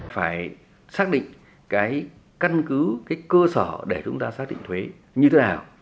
phải xác định cái căn cứ cái cơ sở để chúng ta xác định thuế như thế nào